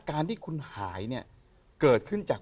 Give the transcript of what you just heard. การที่คุณหายเนี่ยเกิดขึ้นจาก